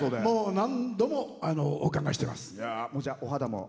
何度もお伺いしています。